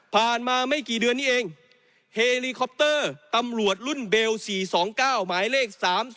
มาไม่กี่เดือนนี้เองเฮลีคอปเตอร์ตำรวจรุ่นเบล๔๒๙หมายเลข๓๒